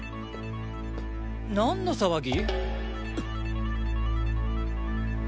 何の騒ぎ？